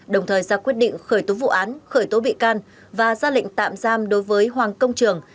đồng thời ra quyết định khởi tố vụ án khởi tố bị can và ra lệnh tạm giam đối với hoàng công trường